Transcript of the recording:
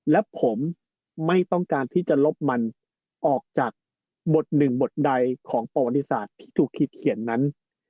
และผมไม่ต้องการที่จะลบมันออกจากบทหนึ่งบทใดของประวัติศาสตร์ที่ถูกคิดเขียนนั้น